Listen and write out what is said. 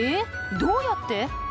どうやって？